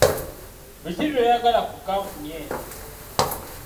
Biki by'oyagala ku kkampuni eyo?